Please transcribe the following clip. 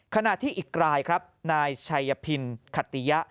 ขณะที่อีกรายครับนายชัยพินขติยะ